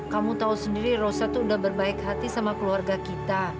kamu tahu sendiri rosa tuh udah berbaik hati sama keluarga kita